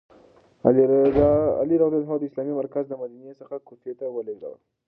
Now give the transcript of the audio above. علي رض د اسلامي مرکز له مدینې څخه کوفې ته ولیږداوه.